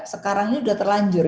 sekarang ini sudah terlanjur